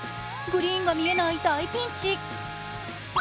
グリーンが見えない大ピンチ。